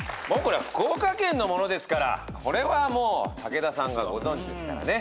福岡県のものですからこれはもう武田さんがご存じですからね。